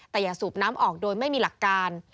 แต่อย่าสูบน้ำออกโดยไม่มีหลักการ